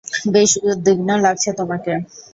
বেশি উদ্বিগ্ন লাগছে তোমাকে।